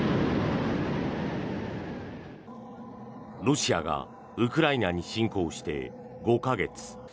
ロシアがウクライナに侵攻して５か月。